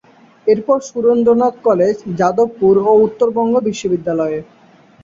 এরপর সুরেন্দ্রনাথ কলেজ, যাদবপুর ও উত্তরবঙ্গ বিশ্ববিদ্যালয়ে।